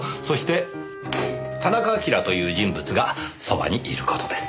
そして田中晶という人物がそばにいる事です。